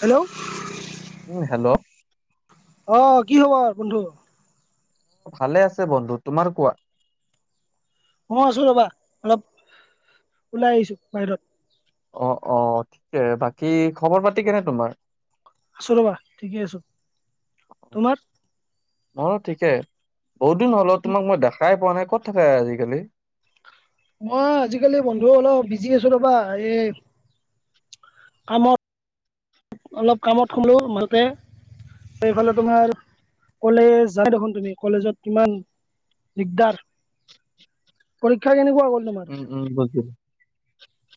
Hello উম hello অ' কি খবৰ বন্ধু ভালে আছে বন্ধু তোমাৰ কোৱা ময়ো আছো ৰবা অলপ ওলাই আহিছো বাহিৰত অ' অ' ঠিকে বাকী খবৰ পাতি কেনে তোমাৰ আছো ৰবা ঠিকে আছো তোমাৰ ময়ো ঠিকে বহুত দিন হল অ' তোমাক মই দেখাই পোৱা নাই ক'ত থাকা আজিকালি মই আজিকালি বন্ধু অলপ বিজি আছো ৰবা এই কামত অলপ কামত সোমালোঁ মাজতে সেইফালে তোমাৰ কলেজ যাই দেখোন তুমি কলেজত কিমান দিগদাৰ পৰীক্ষা কেনেকুৱা হ'ল উম উম বুজিলো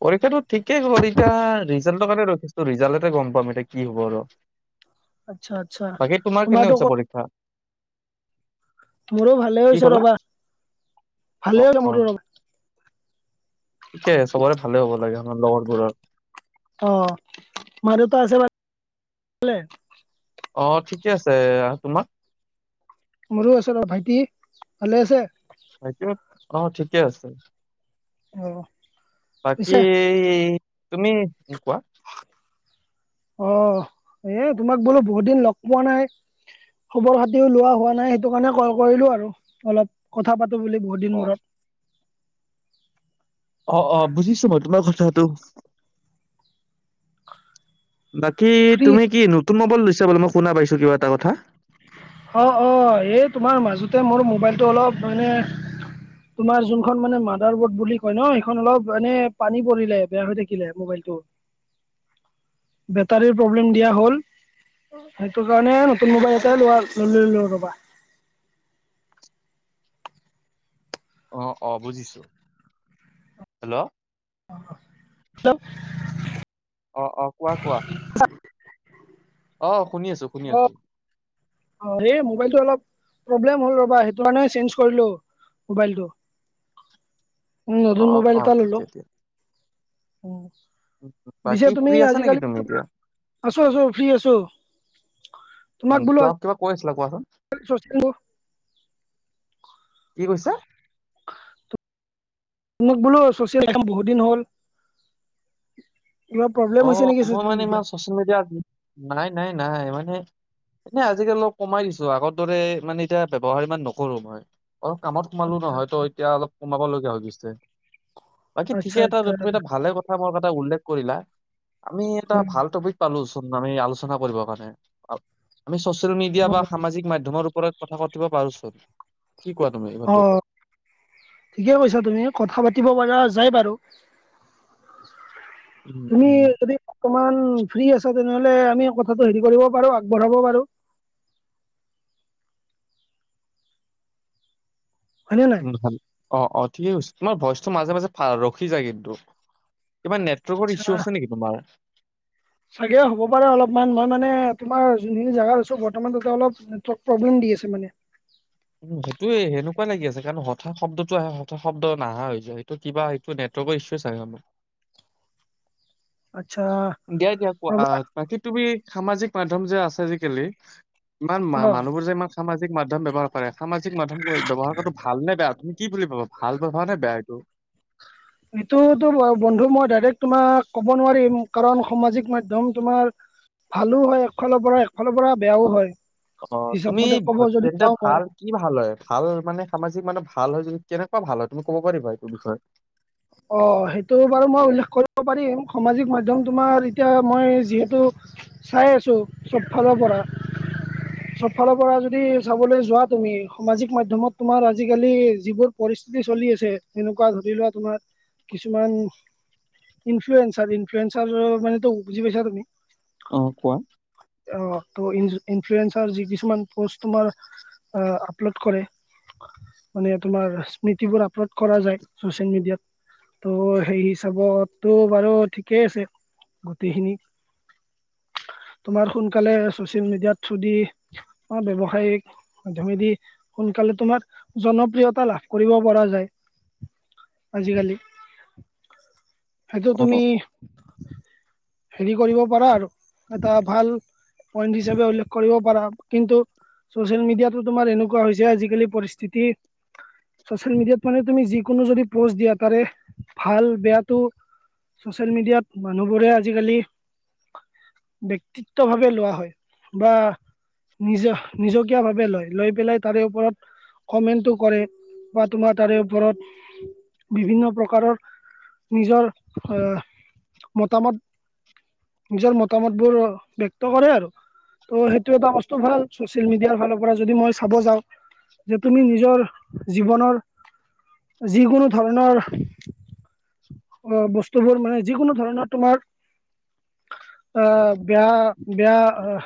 পৰীক্ষাটো ঠিকেই হ'ল এতিয়া ৰিজাল্টৰ কাৰণে ৰখিছো ৰিজাল্টতে গম পাম এতিয়া কি হ'ব আৰু আচ্ছা আচ্ছা বাকী তোমাৰ কেনে তোমাৰতো হৈছে ক- পৰীক্ষা মোৰো ভালে কি হৈছে ক'লা? ৰবা অ', ভালে হল অ', মোৰো ৰবা ঠিকে চবৰে ভালে হ'ব লাগে আমাৰ লগৰবোৰৰ। অ' মা-দেউতা আছে ভালে? অ' ঠিকে আছে তোমাৰ? মোৰো আছে, ৰ ভাইটি ভালে আছে? ভাইটি অ' ঠিকে আছে। অ' বাকী পিছে তুমি উম কোৱা? অ' এ, তোমাক বোলো বহুত দিন লগ পোৱা নাই। খবৰ খাতিও লোৱা হোৱা নাই সেইটো কাৰণে কল কৰিলো আৰু অলপ কথা পাত টো বুলি বহুত দিন অ', মূৰত। অ', অ' বুজিছো মই তোমাৰ কথাটো। বাকী ফ্ৰী তুমি কি নতুন মোবাইল লৈছা বোলে, মই শুনা পাইছো কিবা এটা কথা। অ', অ' এই তোমাৰ মাজতে মোৰ মোবাইলটো অলপ মানে তোমাৰ যোনখন মানে মাডাৰ বৰ্ড বুলি কয় ন সেইখন অলপ এনে পানী পৰিলে বেয়া হৈ থাকিলে মোবাইলটো। বেটাৰীৰ প্ৰব্লেম দিয়া হ'ল সেইটো কাৰণে নতুন মোবাইল এট লোৱাল লৈ ল ৰবা। অ', অ, বুজিছো। হেল্ল'? [inaudible] অ', অ' কোৱা কোৱা? অ শুনি আছো শুনি অ, আছো অ' এই মোবাইলটো অলপ প্ৰব্লেম হ'ল ৰ'বা সেইটো কাৰণে চেঞ্জ কৰিলো মোবাইলটো। উম, অ নতুন মোবাইল অ এটা ললো। ঠিকে দিয়া পিছে বাকী তুমি ফ্ৰী আছা নেকি আজিকালি তুমি এতিয়া আছো আছো ফ্ৰী আছো। উম, কিবাক কিবা কৈছি। [unintelligible] কি কৈছা মোক বোলো অ-চছিয়েল একাম বহুত দিন হ'ল। কিবা প্ৰব্লেম হৈছে নেকি অ' মই চচিয়েল মানে ইমান মিডিয়াত চছিয়েল মিডিয়াত নাই নাই নাই মানে এনে আজিকালি অলপ কমাই দিছো, আগৰ দৰে মানে এতিয়া ব্যৱহাৰ ইমান নকৰো মই। অলপ কামত সোমালো নহয় তো এতিয়া অলপ কমাব লগগীয়া হৈ গৈছে। বাকী আচ্ছা ঠিকে এটা আচ্ছা তুমি এটা ভালে কথা মোক এটা উল্লেখ কৰিলা, আমি এটা ভাল টপিক পালো। আমি আলোচনা কৰিব কাৰণে আ-আমি চচিয়েল মিডিয়া বা সামাজিক মাধ্য়মৰ ওপৰত কথা পাতিব পাৰোচোন। কি কোৱা তুমি এই বন্ধু? অ' ঠিকে কৈছা তুমি কথা পাতিব পাৰা। যাই বাৰু। উম, তুমি উম, যদি অকমান ফ্ৰী আছা তেনেহলে আমি কথাটো হেৰি কৰিব পাৰো আগবঢ়াব পাৰো। হয়নে নাই উম, ভাল অ', অ' ঠিকেই কৈছা তোমাৰ ভইচটো মাজে মাজে ৰখি যায় কিন্তু। কিবা নেটৱৰ্কৰ আচ্ছা ইছ্যু আছে নেকি তোমাৰ? চাগে হ'ব পাৰে অলপমান মই মানে তোমাৰ যোনখিনি জাগাত আছো বৰ্তমান তাতে অলপ নেটৱৰ্ক প্ৰব্লেম দি আছে মানে। উম সেইটোয়ে সেনেকুৱা লাগি আছে কাৰণ হঠাৎ শব্দটো আহে হঠাহ শব্দ নাহা হৈ যায় সেইটো কিবা নেট [unintelligible] [inaudible] দিয়া দিয়া কোৱা ৰ'বা বাকী তুমি সামাজিক মাধ্যম যে আছে আজিকালি ইমান অ মা-মানুহবোৰ যে ইমান সামাজিক মাধ্যম ব্যৱহাৰ কৰে সামাজিক মাধ্যম ক-ব্যবহাৰ কৰাটো ভাল নে বেয়া তুম কি বুলি অলপ ভাল ভাবা নে বেয়া এইটো? এইটোতো বন্ধু মই ডাইৰেক্ট তোমাক ক'ব নোৱাৰিম কাৰণ সমাজিক মাধ্য়ম তোমাৰ ভালো হয় একফালৰ পৰা একফালৰ পৰা বেয়াও হয়। অ' হিচাপ তুমি মতে ক'ব যদি তেন্তে যাওঁ মই ভাল কি ভাল হয় ভাল মানে সামাজিক মানুহ ভাল ভাল হয় যদি কেনেকুৱা ভাল হয় তুমি ক'ব পাৰিবা এইটো বিষয়ে? অ', অ' সেইটো বাৰু মই উল্লেখ কৰিব পাৰিম সামাজিক মাধ্যম তোমাৰ এতিয়া মই যিহেতু চাই আছোঁ চবফালৰ পৰা। চব ফালৰ পৰা যদি চাবলৈ যোৱা তুমি সামাজিক মাধ্যমত তোমাৰ আজিকালি যিবোৰ পৰি স্হিতি চলি আছে তেনেকুৱা ধৰি লোৱা তোমাৰ কিছুমান ইনফ্লুয়েনঞ্চাৰ ইনফ্লুয়েনঞ্চাৰ য মানে টো বুজি পাইছা তুমি? অ কোৱা। অ ত' ইনফ্লুয়েনঞ্চাৰ যি কিছুমান পষ্ট তোমাৰ আপলোড কৰে মানে তোমাৰ স্মৃতিবোৰ আপলোড কৰা যায় চছিয়েল মিডিয়াত। ত' সেই হিচাপতটো বাৰু ঠিকেই আছে। গোটেইখিনিক তোমাৰ সোনকালে চচিয়েল মিডিয়াত থ্ৰু দি ব্যৱসায়িক মাধ্যমেদি সোন কালে তোমাক জনপ্ৰিয়তা লাভ কৰিব পৰা যায় আজিকালি। সেইটো অ তুমি হেৰি কৰিব পাৰা আৰু এটা ভাল পইণ্ট হিচাপে উল্লেখ কৰিব পাৰা কিন্তু চচিয়েল মিডিয়াটো তোমাৰ এনেকুৱা হৈছে আজিকালি পৰিস্থিতি চছিয়াল মিডিয়াত মানে তুমি যিকোনো যদি প'ষ্ট দিয়া তাৰে ভাল-বেয়াটো চচিয়েল মিডিয়াত মানুহবোৰে আজিকালি ব্যক্তিত্ব ভাৱে লোৱা হয় বা নিজহ নিজকীয়া ভাৱে লয়। লৈ পেলাই তাৰে ওপৰত কমেণ্টো কৰে বা তোমাৰ তাৰে ওপৰত বিভিন্ন প্ৰকাৰৰ নিজৰ অহ মতামত নিজৰ মতামতবোৰ ব্যক্ত কৰে আৰু। ত' সেইটো এটা বস্তু ভাল চচিয়েল মিডিয়াৰ ফালৰ পৰা যদি মই চাব যাওঁ। যে তুমি নিজৰ জীৱনৰ, যিকোনো ধৰণৰ অ বস্তুবোৰ মানে যিকোনো ধৰণৰ তোমাৰ অ বেয়া বেয়া অ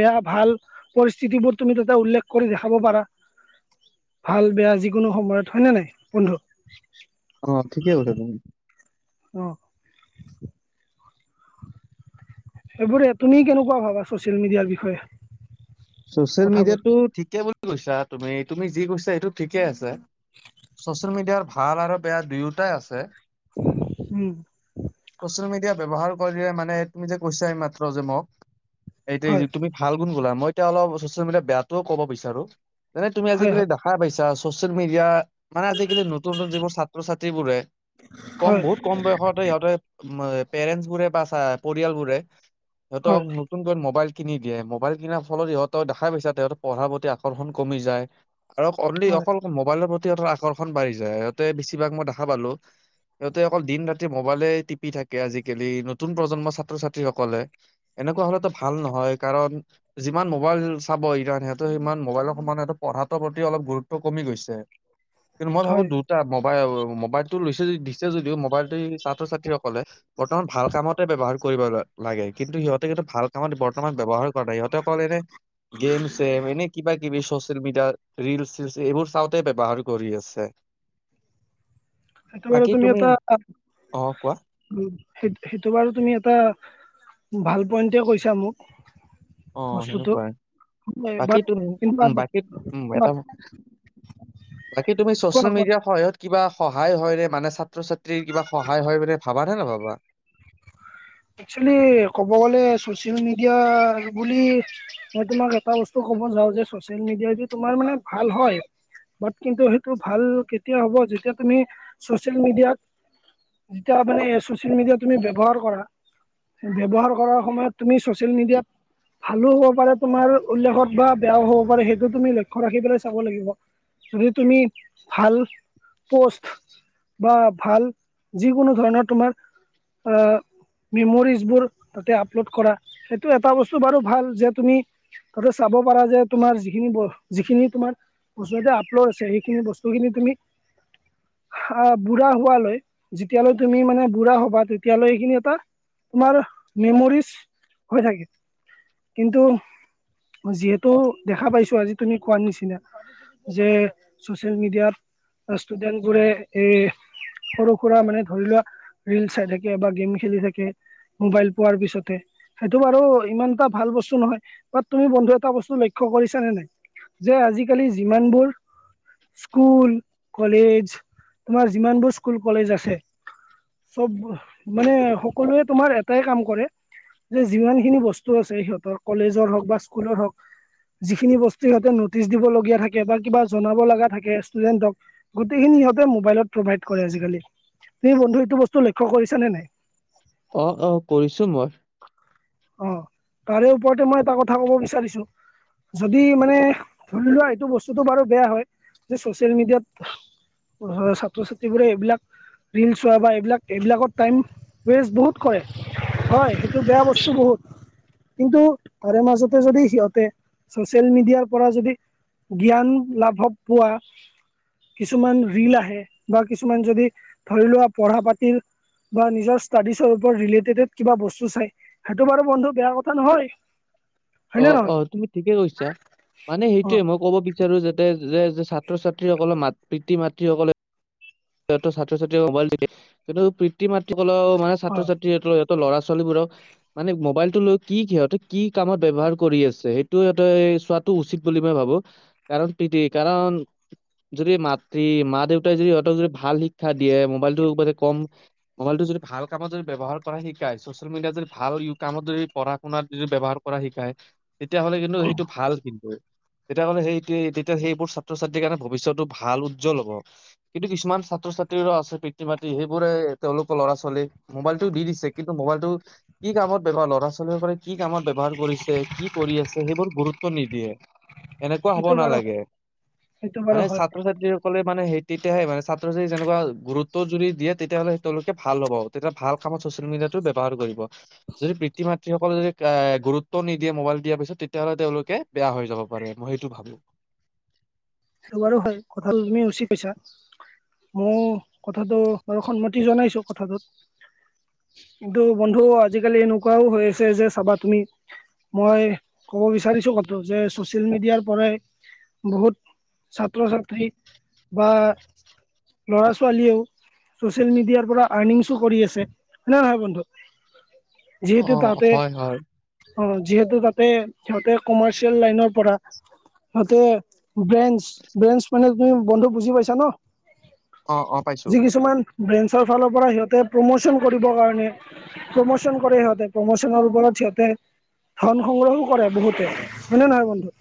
বেয়া ভাল পৰিস্থিতিবোৰ তুমি তাতে উল্লেখ কৰি দেখাব পাৰা। ভাল বেয়া যিকোনো সময়ত হয় নে নাই বন্ধু অ ঠিকেই কৈছা তুমি অহ সেইবোৰে তুমি কেনেকুৱা ভাবা ছচিয়েল মিডিয়াৰ বিষয়ে ছচিয়েল কথাবোৰ মিডিয়াতটো ঠিকে বুলি কৈছা তুমি, তুমি যি কৈছা সেইটো ঠিকে আছে। ছচিয়েল মিডিয়াৰ ভাল আৰু বেয়া দুয়োটাই আছে। উম ছচিয়েল মিডিয়াত ব্যৱহাৰ কৰিলে মানে তুমি যে কৈছা এই মাত্ৰ যে মোক, এইটোৱে হয় যে তুমি ভাল গুণ কলা, মই তেতিয়া অলপ ছচিয়েল মিডিয়াত বেয়াটোও ক'ব বিচাৰো, মানে তুমি হয় আজিকালি হয় দেখাই পাইছা, ছচিয়েল মিডিয়াৰ মানে আজিকালি নতুন নতুন যিবোৰ ছাত্ৰ- ছাত্ৰীবোৰে কম, হয় বহুত কম বয়সতে সিহঁতে এ পেৰেন্টছবোৰে বা চা পৰিয়ালবোৰে সিহঁতক হয় নতুনকৈ মোবাইল কিনি দিয়ে, মোবাইল কিনা পাছত ফলত ইহঁতৰ দেখাই পাইছা, তেওঁলোক পঢ়াৰ প্ৰতি আকৰ্ষণ কমি যায়, আৰু অনলি হয় অকল মোবাইলৰ প্ৰতি সিহঁতৰ আকৰ্ষণ বাঢ়ি যায়, সিহঁতে বেছিভাগ মই দেখা পালোঁ সিহঁতে অকল দিন ৰাতি মোবাইলে টিপি থাকে আজিকালি, নতুন প্ৰজন্মৰ ছাত্ৰ- ছাত্ৰীসকলে। এনেকুৱা হলেতো ভাল নহয়, কাৰণ যিমান মোবাইল চাব ই কাৰণ সিমান মোবাইলৰ সমানে পঢ়াটোৰ প্ৰতি অলপ গুৰুত্ব কমি গৈছে। কিন্তু মই ভাবো হয় দুটা ম মোবাইলতটো লৈছে দিছে যদিও, মোবাইলটো ছাত্ৰ- ছাত্ৰীসকলে বৰ্তমান ভাল কামতে ব্যৱহাৰ কৰিব লাগে কিন্তু সিহঁতে ভাল কামত বৰ্তমান ব্যৱহাৰ কৰা নাই, সিহঁতক ফল এনে গেম চেম এনে কিবা কিবি চ'চিয়েল মিডিয়াত ৰিলছ- ছিলছ এইবোৰ চাওঁতে ব্যৱহাৰ কৰি আছে। এইটো বাৰু তুমি এটা অ কোৱা - উম। সেই সেইটো বাৰু তুমি এটা ভাল পইণ্টে কৈছা মোক। অ বস্তুটো সেনেকুৱাই বাকী বাট তুনো কিন্তু উম, আজি বাকীত উম, এটা বাকী তুমি কোৱা ছচিয়েল কোৱা মিডিয়াৰ সহায়ত কিবা সহায় হয়নে মানে ছাত্ৰ ছাত্ৰী কিবা সহায় হয় মানে ভাবা নে নাভাবা? [inaudible] একচলি ক'ব গলে ছচিয়েল মিডিয়া বুলি মই তোমাক এটা বস্তু ক [unintelligible] যাওঁ যে ছচিয়েল মিডিয়াদি তোমাৰ মানে ভাল হয়। বাট কিন্তু সেইটো ভাল কেতিয়া হ'ব যেতিয়া তুমি ছচিয়েল মিডিয়াত যেতিয়া মানে এ, ছচিয়েল মিডিয়া তুমি ব্যৱহাৰ কৰা। ব্যৱহাৰ কৰাৰ সময়ত তুমি ছচিয়েল মিডিয়াত ভালো হ'ব পাৰে তোমাৰ উল্লেখত বা বেয়াও হ'ব পাৰে সেইটো তুমি লক্ষ্য ৰাখি পেলে চাব লাগিব। যদি তুমি ভাল পষ্ট বা ভাল যিকোনো ধৰণৰ তোমাৰ আ মেমৰিজ বোৰ তাতে আপলড কৰা। সেইটো এটা বস্তু বাৰু ভাল যে তুমি অথ চাব পাৰা যে তোমাৰ যিখিনি ব, যিখিনি তোমাৰ বস্তুতে আপলড আছে সেইখিনি বস্তুখিনি তুমি অ', বুঢ়া হোৱালৈ যেতিয়ালৈ তুমি মানে বুঢ়া হবা তে তিয়ালৈ এইখিনি এটা তোমাৰ মেমৰিছ হৈ থাকে। কিন্তু যিহেতু দেখা পাইছো আজি তুমি কোৱাৰ নিচিনা যে চ'চিয়েল মিডিয়াত আ, ষ্টুডেন্ট বোৰে এই সৰু সুৰা মানে ধৰি লোৱা ৰিল চাই থাকে বা গেম খেলি থাকে। মোবাইল পোৱাৰ পিছতে সেইটো বাৰু ইমান এটা ভাল বস্তু নহয়। বাত তুমি বন্ধু এটা বস্তু লক্ষ কৰিছানে নাই যে আজিকালি যিমানবোৰ স্কুল কলেজ তোমাৰ যিমানবোৰ স্কুল কলেজ আছে। চব মানে সকলোৱে তোমাৰ এটাই কাম কৰে। যে যিমান খিনি বস্তু আছে সিহঁতৰ কলেজৰ হওক বা স্কুলৰ হওক। যিখিনি বস্তু সিহঁতে নটিচ দিব লগীয়া থাকে বা কিবা জনাব লাগা থাকে ষ্টুডেন্টক গোটেইখিন সিহঁতে মোবাইলত প্ৰভাইড কৰে আজিকালি। তুমি বন্ধু এইটো বস্তু লক্ষ্য কৰিছানে নাই? অ', অ', কৰিছো মই। অহ, তাৰে ওপৰতে মই এটা কথা ক'ব বিচাৰিছো। যদি মানে ধৰি লোৱা এইটো বস্তুতটো বাৰু বেয়া হয় যে চ'চিয়েল মিডিয়াত উৰহ ছাত্ৰ ছাত্ৰীবোৰে এইবিলাক ৰিল চোৱা বা এইবিলাক এইবিলাকত টাইম ৱেষ্ট বহুত কৰে। হয় সেইটো বেয়া বছ দিছোঁ বহুত। কিন্তু তাৰে মাজতে যদি সিহঁতে চ'চিয়েল মিডিয়াৰ পৰা যদি জ্ঞান লাভব পোৱা। কিছুমান ৰিল আহে বা কিছুমান যদি ধৰি লোৱা পঢ়া পাতিৰ বা নিজৰ ষ্টাডিছৰ ওপৰত ৰিলেটেডেড কিবা বস্তু চাই সেইটো বাৰু বন্ধু বেয়া কথা নহয়। হয়নে অ', নহয় অ', তুমি ঠিকে কৈছা। মানে অ সেইটোয়ে মই ক'ব বি বিচাৰো যাতে যে, যে ছাত্ৰ ছাত্ৰীসকল মাত পিতৃ মাতৃসকলে সিহঁতৰ ছাত্ৰ- ছাত্ৰীয়ে মোবাইল তিপে কিন্তু পিতৃ- মাতৃসকলেও মানে অ ছাত্ৰ - ছাত্ৰীৰ হেতৰ ত ল'ৰা ছোৱালীবোৰক মানে মোবাইলটো লৈ কি সিহঁতে কি কামত ব্যৱহাৰ কৰি আছে সেইটো ইহতে এই এ চোৱাটো উচিত বুলি মই ভাবো কাৰণ প্ৰীতি কাৰণ যদি মাতৃ মা দেউতাই যদি সিহঁতক য ভাল শিক্ষা দিয়ে মোবাইলটো কম মোবাইলটো যদি ভাল কামত যদি ব্যৱহাৰ কৰা শিকায় ছচিয়েল মিডিয়াত, যদি ভাল য়ো কামত যদি পঢ়া শুনাত যদি ব্যৱহাৰ কৰা শিকায় তেতিয়াহ'লে কিন্তু সেইটো ভাল কিন্তু। তেতিয়াহ'লে সেই তিয়ে তেতিয়া সেইবোৰ ছাত্ৰ ছাত্ৰীৰ কাৰণে ভৱিষ্যটো ভাল উজ্জ্বল হ'ব কিন্তু কিছুমান। ছাত্ৰ ছাত্ৰীৰ আছে পিতৃ মাতৃ সেইবোৰে তেওঁলোকৰ ল'ৰা ছোৱালী মোবাইলটো দি দিছে কিন্তু মোবাইলটো কি কামত ব্যৱহাৰ ল'ৰা ছোৱালীবোৰে কি কামত ব্যৱহাৰ কৰিছে কি কৰি আছে সেইবোৰ গুৰুত্ব নিদিয়ে। এনেকুৱা হ'ব সেইটো বাৰু নালাগে সেইটো বাৰু মানে হয় ছাত্ৰ ছাত্ৰীসকলে মানে সেই তেতিয়াহে মানে ছা যেনেকুৱা গুৰুত্ব যদি দিয়ে তেতিয়াহ'লে তেওঁলোকে ভাল হাব তেতিয়া ভাল কামত ছ'চিয়েল মিডিয়াটো ব্যৱহাৰ কৰিব। যদি পিতৃ মাতৃসকলে যদি এ গুৰুত্ব নিদিয়ে মোবাইল দিয়াৰ পিছত তেতিয়াাহ'লে তেওঁলোকে বেয়া হৈ যাব। মই সেইটো ভাবো। সেটো বাৰো হয় কথা তুমি উচিত কৈছা। মই কথাটো বাৰু সন্মতি জনাইছো কথাটোত। কিন্তু বন্ধু আজিকালি এনেকুৱাও হৈ আছে যে চাবা তুমি। মই ক'ব বিচাৰিছো কথাটো যে ছচিয়েল মিডিয়াৰ পৰাই বহুত, ছাত্ৰ ছাত্ৰী বা ল'ৰা ছোৱালীয়েও। চচিয়েল মিডিয়াৰ পৰা আৰ্নিংছো কৰি আছে হয় নে নহয় বন্ধু। যিহেতু অ', তাতে হয়, হয়। অ যিহেতু তাত, তে সিহতে কমাৰ্চিয়েল লাইনৰ পৰা সিহতে, ব্ৰেন্ঞ্চ ব্ৰেঞ্চ মানে তুমি বন্ধু বুজি পাইছা ন। অ অ পাইছো। যি কিছুমান ব্ৰেঞ্চৰ ফালৰ পৰা সিহঁতে প্ৰমোচন কৰিবৰ কাৰণে প্ৰমোচন কৰে সিহঁতে প্ৰমোচনৰ ওপৰত। সিহতে ধন সংগ্ৰহো কৰে বহুতে। হয়নে নহয় বন্ধু?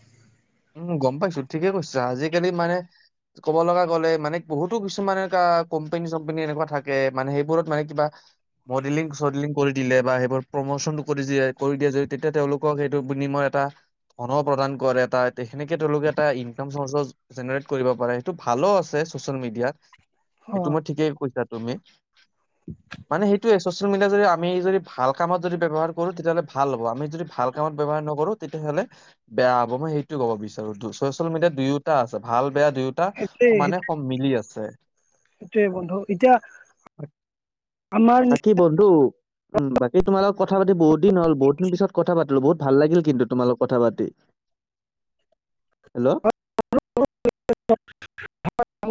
উম গম পাইছো ঠিকেই কৈছা। আজি-কালি মানে ক'ব লগা গ'লে মানে বহুতো কিছুমান এনেকা কোম্পেনী- চোম্পেনী এনেকুৱা থাকে, মানে সেইবোৰত মানে কিবা মডেলিং-চডেলিং কৰি দিলে বা সেইবোৰ প্ৰমোচনটো কৰি দিয়ে কৰি দিয়ে যদি তেতিয়া তেওঁলোকক সেইটো বিনিময়ত এটা ধন' প্ৰদান কৰে এটা তে- সেনেকে তেওঁলোকে এটা ইনকাম চৰ্চ' জেনেৰেট কৰিব পাৰে, সেইটো ভালো আছে চচিয়েল মিডিয়াত। অ সেইটো মই ঠিকে কৈছা তুমি। [inaudible] মানে সেইটোৱে ছ'চিয়েল মিডিয়াত যদি আমি যদি ভাল কামত যদি ব্যৱহাৰ কৰো তেতিয়াহ'লে ভাল হ'ব। আমি যদি ভাল কামত ব্যৱহাৰ ন কৰো তেতিয়াহ'লে বেয়া হ'ব। মই সেই টো ক'ব বিচাৰো। ছচিয়েল মিডিয়াত দুয়োটা আছে ভাল বেয়া দুয়োটা সমানে স মিলি আছে। সেইটোয়ে বন্ধু। ইতিয়া বাকি বন্ধু, উম বাকি তোমালোক কথা পাতি বহুত দিন হ'ল বহুত দিন পিছত কথা পাত্লো বহুত ভাল লাগিল কিন্তু তোমালোক কথা পাতি। হেল্ল'।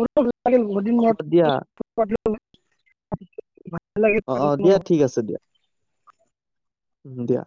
[unintelligible] অ বহুতদিন অ দিয়া মূৰত [unintelligible] ভাল লাগে অ অ, দিয়া ঠিক আছে দিয়া। উম দিয়া।